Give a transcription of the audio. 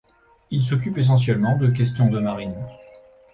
Il s'occupe essentiellement de questions de marine.